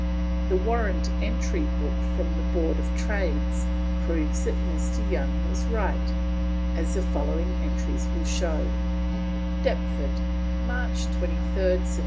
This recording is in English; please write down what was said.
The Warrant Entry Book from Board of Trade proves that Dr. Young was right, as the following entries will show: "Deptford, March 23rd 1768.